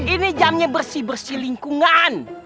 ini jamnya bersih bersih lingkungan